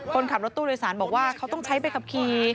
คนขับรถตู้โดยสารบอกว่าเขาต้องใช้ใบขับขี่